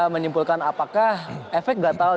menyimpulkan apakah efek gatal